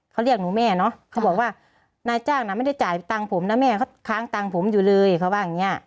เขาเรียกหนูแม่เนอะเขาบอกว่านายจ้างน่ะไม่ได้จ่ายตังค์ผมนะแม่เขาค้างตังค์ผมอยู่เลยเขาว่าอย่างนี้